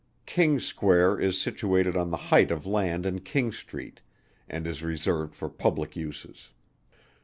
King's square is situated on the height of land in King street, and is reserved for public uses.